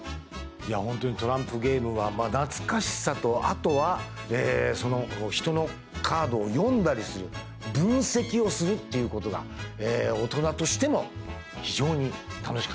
本当にトランプゲームは懐かしさとあとは人のカードを読んだりする分析をするっていうことが大人としても非常に楽しかった。